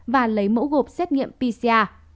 và lấy mẫu gộp xét nghiệm pcr